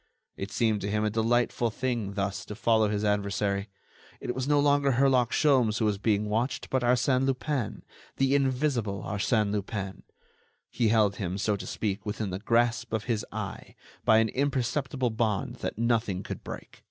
It seemed to him a delightful thing thus to follow his adversary. It was no longer Herlock Sholmes who was being watched, but Arsène Lupin, the invisible Arsène Lupin. He held him, so to speak, within the grasp of his eye, by an imperceptible bond that nothing could break.